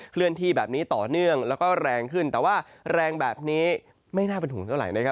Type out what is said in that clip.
เลื่อนที่แบบนี้ต่อเนื่องแล้วก็แรงขึ้นแต่ว่าแรงแบบนี้ไม่น่าเป็นห่วงเท่าไหร่นะครับ